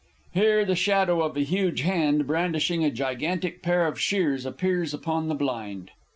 [_Here the shadow of a huge hand brandishing a gigantic pair of shears appears upon the blind.